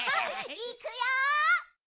いくよ！